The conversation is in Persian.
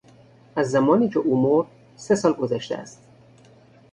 از زمانی که او مرد سه سال گذشته است.